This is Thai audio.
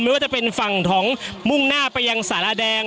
ไม่ว่าจะเป็นฝั่งของมุ่งหน้าไปยังสาระแดง